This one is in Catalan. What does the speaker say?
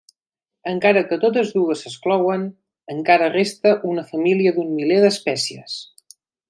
Encara que totes dues s'exclouen, encara resta una família d'un miler d'espècies.